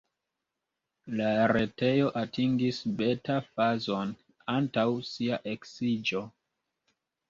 La retejo atingis beta-fazon antaŭ sia eksiĝo.